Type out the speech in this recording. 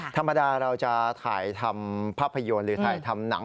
ธรรมดาเราจะถ่ายทำภาพยนตร์หรือถ่ายทำหนัง